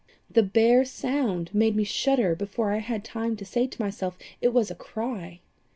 The bare sound made me shudder before I had time to say to myself it was a cry.